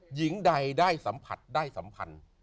หญิงใดได้สัมผัสได้สัมพันธ์